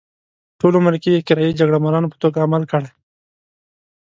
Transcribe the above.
په ټول عمر کې یې کرایي جګړه مارانو په توګه عمل کړی.